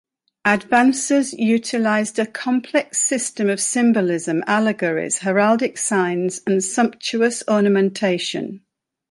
Advances utilized a complex system of symbolism, allegories, heraldic signs, and sumptuous ornamentation.